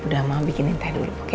udah mau bikinin teh dulu